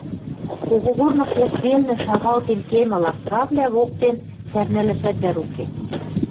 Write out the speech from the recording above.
Когогорны кок велнӹ шагалтен кемӹ лапкавлӓ воктен сӓрнӓлӓшӓт вӓр уке: